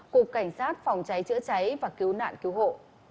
cục cảnh sát phòng cháy chữa cháy và cứu nạn cứu hộ